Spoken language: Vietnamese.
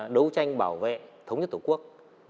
đấu tranh bảo vệ thống nhất tổ quốc